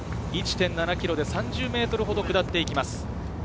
１．７ｋｍで３０ｍほど下っていきます。